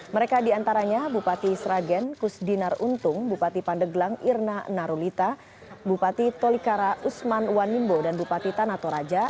mereka diantaranya bupati sragen kusdinar untung bupati pandeglang irna narulita bupati tolikara usman wanimbo dan bupati tanatoraja